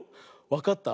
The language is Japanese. わかった？